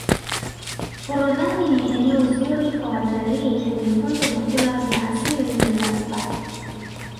forodhani ni eneo zuri kwa watalii kujifunza vyakula vya asili ya zanzibar